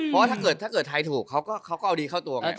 เพราะว่าถ้าเกิดไทยถูกเขาก็เอาดีเข้าตัว